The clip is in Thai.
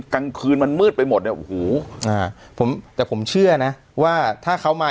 กลางคืนมันมืดไปหมดเนี่ยโอ้โหอ่าผมแต่ผมเชื่อนะว่าถ้าเขามา